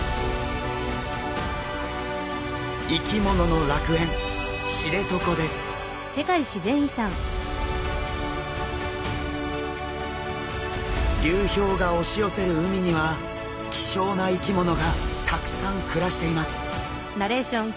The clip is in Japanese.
生き物の楽園流氷が押し寄せる海には希少な生き物がたくさん暮らしています。